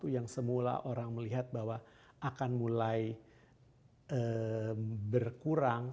ini kan dua ribu dua puluh satu yang semula orang melihat bahwa akan mulai berkurang